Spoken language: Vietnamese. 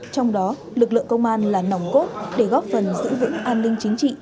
trong đó lực lượng công an là nòng cốt để góp phần giữ vững an ninh chính trị